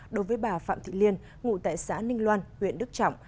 đối với bà phạm thị liên ngụ tại xã ninh loan huyện đức trọng